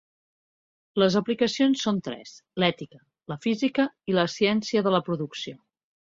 Les aplicacions són tres: l'ètica, la física i la ciència de la producció.